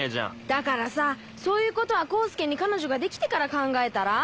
だからさそういうことは功介に彼女ができてから考えたら？